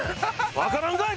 わからんかい！